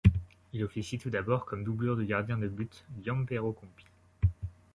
Il officie tout d'abord comme doublure du gardien de but Gianpiero Combi.